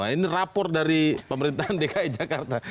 ini rapor dari pemerintahan dki jakarta